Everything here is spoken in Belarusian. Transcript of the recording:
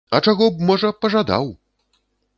А чаго б, можа, пажадаў!